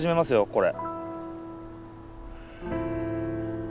これ。